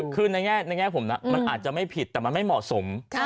คือในแง่ผมนะมันอาจจะไม่ผิดแต่มันไม่เหมาะสม